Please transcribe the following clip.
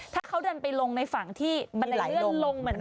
ถ้าเขาเดินไปลงในฝั่งที่บันไดเลื่อนลงเหมือนกัน